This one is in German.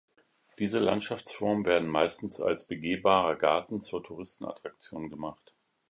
Diese Landschaftsformen werden meistens als begehbarer Garten zur Touristenattraktion gemacht.